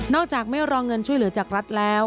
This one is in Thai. จากไม่รอเงินช่วยเหลือจากรัฐแล้ว